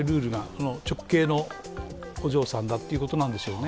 直系のお嬢さんだということだからでしょうね。